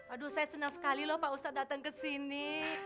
aduh saya senang sekali loh pak ustadz datang ke sini